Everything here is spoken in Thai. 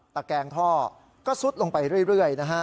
ตะแกงท่อก็สุดลงไปเรื่อย